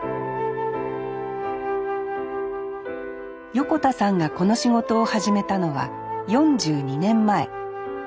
横田さんがこの仕事を始めたのは４２年前。